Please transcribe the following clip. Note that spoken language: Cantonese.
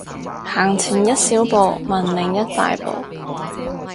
行前一小步，文明一大步